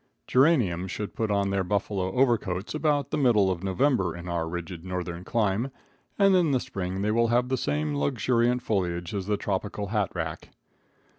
Geraniums should put on their buffalo overcoats about the middle of November in our rigid northern clime, and in the spring they will have the same luxuriant foliage as the tropical hat rack.